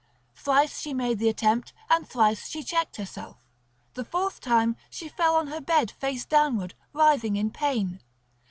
Thrice she made the attempt and thrice she checked herself, the fourth time she fell on her bed face downward, writhing in pain.